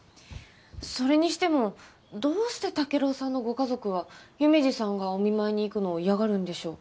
それにしてもどうして竹郎さんのご家族は夢二さんがお見舞いに行くのを嫌がるんでしょう？